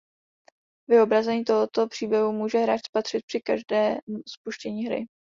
Vyobrazení tohoto příběhu může hráč spatřit při každém spuštění hry.